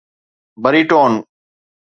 بريٽون